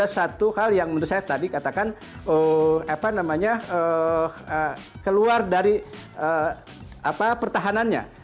satu hal yang menurut saya tadi katakan keluar dari pertahanannya